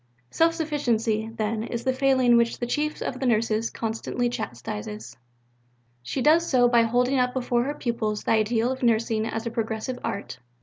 Self sufficiency, then, is the failing which the Chief of the Nurses constantly chastises. She does so by holding up before her pupils the ideal of nursing as a progressive art.